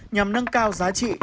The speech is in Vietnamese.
nhằm nâng cao giá trị